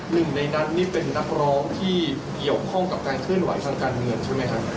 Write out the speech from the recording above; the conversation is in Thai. หนึ่งในนั้นนี่เป็นนักร้องที่เกี่ยวข้องกับการเคลื่อนไหวทางการเมืองใช่ไหมครับ